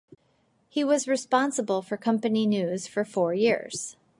He was responsible for company news for four years.